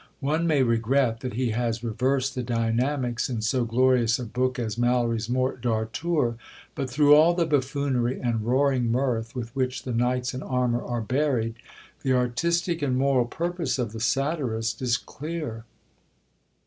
One may regret that he has reversed the dynamics in so glorious a book as Malory's Morte d'Arthur, but, through all the buffoonery and roaring mirth with which the knights in armour are buried, the artistic and moral purpose of the satirist is clear.